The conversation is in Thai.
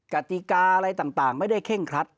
กติกาอะไรต่างไม่ได้เคร่งครัด